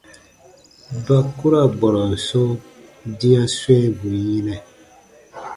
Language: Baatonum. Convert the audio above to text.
Ba ku ra bɔrɔn sɔ̃ dĩa swɛ̃ɛbu yinɛ.